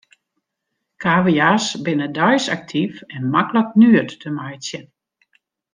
Kavia's binne deis aktyf en maklik nuet te meitsjen.